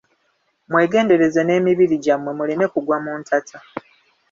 Mwegendereze nemibiri gy'amwe muleme kugwa mu ntata.